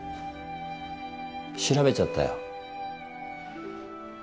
調べちゃったよ。